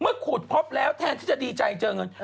เมื่อขุดพร้อมแล้วแทนที่ดีใจเจอเงิน